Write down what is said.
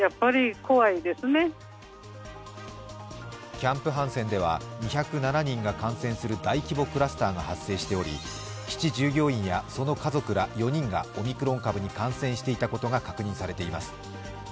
キャンプ・ハンセンでは２０７人が感染する大規模クラスターが発生しており基地従業員やその家族ら４人がオミクロン株に感染していたことが確認されています。